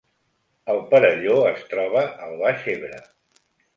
El Perelló es troba al Baix Ebre